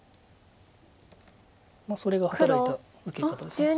それが働いた受け方です。